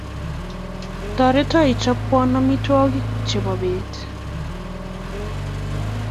Toreto ichopwo amitwogik chebo pet